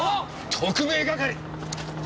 特命係！？